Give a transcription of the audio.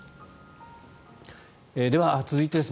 では、続いてです。